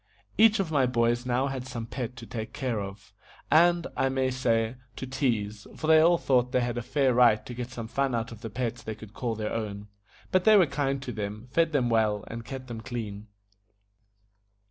Each of my boys had now some pet to take care of, and, I may say, to tease, for they all thought they had a fair right to get some fun out of the pets they could call their own; but they were kind to them, fed them well, and kept them clean.